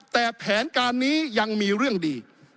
แต่แผนการนี้ยังมีเรื่องดี